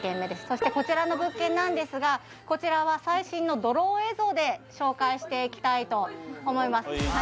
そしてこちらの物件なんですがこちらは紹介していきたいと思います